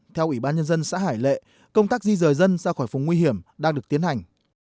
theo ủy ban nhân dân xã hải lệ công tác di rời dân ra khỏi vùng nguy hiểm đang được tiến hành